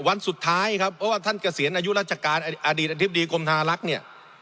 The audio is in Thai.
วันสุดท้ายครับเพราะว่าท่านเกษียณอายุราชการอดีตอธิบดีกรมธนาลักษณ์เนี่ย